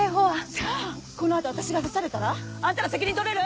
じゃあこの後私が刺されたらあんたら責任取れる？